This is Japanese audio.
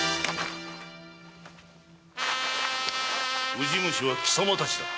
ウジ虫は貴様達だ。